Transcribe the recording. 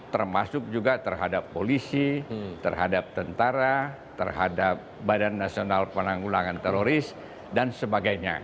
termasuk juga terhadap polisi terhadap tentara terhadap badan nasional penanggulangan teroris dan sebagainya